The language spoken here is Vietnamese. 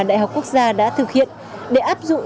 đại học quốc gia đã thực hiện để áp dụng